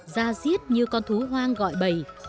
ra diết như con thú hoang gọi bầy